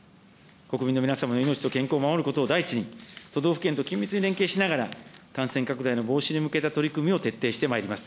国民の皆様の命と健康を守ることを第一に、都道府県と緊密に連携しながら感染拡大の防止に向けた取り組みを徹底してまいります。